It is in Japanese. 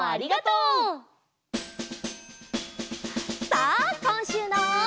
さあこんしゅうの。